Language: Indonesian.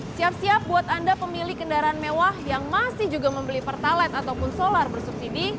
siap siap buat anda pemilik kendaraan mewah yang masih juga membeli pertalat ataupun solar bersubsidi